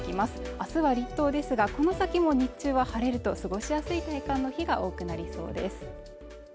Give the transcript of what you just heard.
明日は立冬ですがこの先も日中は晴れると過ごしやすい体感の日が多くなりそうです